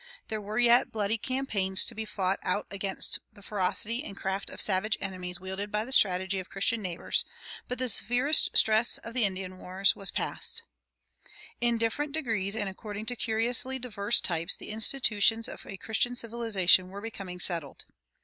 There were yet bloody campaigns to be fought out against the ferocity and craft of savage enemies wielded by the strategy of Christian neighbors; but the severest stress of the Indian wars was passed. In different degrees and according to curiously diverse types, the institutions of a Christian civilization were becoming settled.